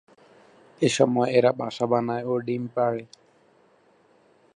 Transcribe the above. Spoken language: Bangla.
এসময় এরা বাসা বানায় ও ডিম পাড়ে।